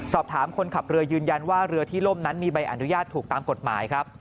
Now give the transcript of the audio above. สอบถามคนขับเรือยืนยันว่าเรือที่ล่มนั้นมีใบอนุญาตถูกตามกฎหมายครับ